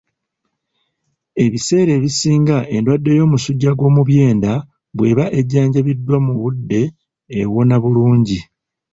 Ebiseera ebisinga endwadde y'omusujja gw'omu byenda bw'eba ejjanjabiddwa mu budde ewona bulungi